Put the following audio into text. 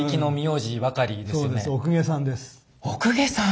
お公家さん！